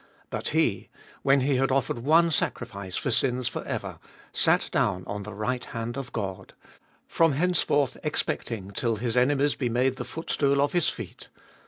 But he, when he had offered one sacrifice for sins for ever, sat down on the right hand of God; 13. From henceforth expecting till his enemies be made the footstool of his feet.